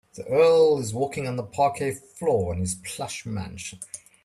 The earl is walking on the parquet floor in his plush mansion.